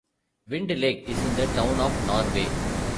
Wind Lake is in the town of Norway.